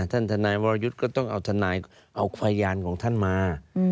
ท่านทนายวรยุทธ์ก็ต้องเอาพยานของท่านมา